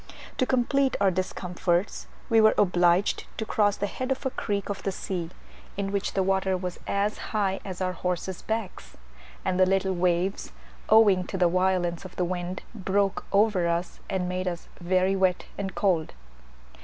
To complete our discomforts we were obliged to cross the head of a creek of the sea, in which the water was as high as our horses' backs; and the little waves, owing to the violence of the wind, broke over us, and made us very wet and cold.